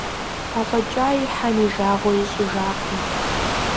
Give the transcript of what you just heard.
АфӀэкӀаи Хьэм и жагъуэ ищӀыжакъым.